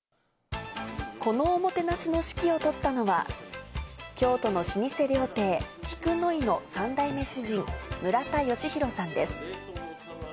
このおもてなしの指揮を執ったのは、京都の老舗料亭、菊乃井の３代目主人、村田吉弘さんです。